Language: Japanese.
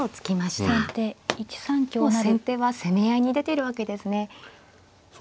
もう先手は攻め合いに出てるわけですね。